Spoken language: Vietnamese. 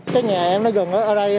cái nhà em nó gần ở đây nè